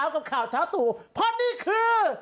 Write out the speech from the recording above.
กับข่าวเช้าตู่เพราะนี่คือ